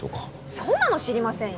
そんなの知りませんよ